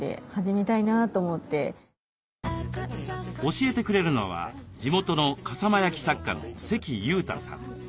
教えてくれるのは地元の笠間焼作家の関雄太さん。